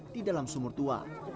di dalam sumur tua